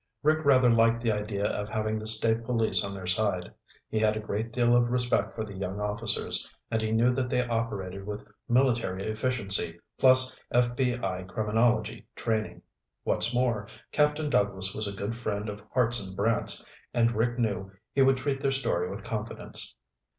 Rick rather liked the idea of having the State Police on their side. He had a great deal of respect for the young officers, and he knew that they operated with military efficiency, plus FBI criminology training. What's more, Captain Douglas was a good friend of Hartson Brant's, and Rick knew he would treat their story with confidence.